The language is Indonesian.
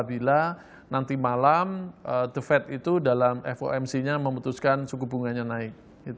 bila nanti malam the fed itu dalam fomc nya memutuskan suku bunganya naik